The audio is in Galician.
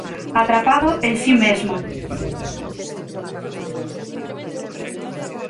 Atrapado en si mesmo.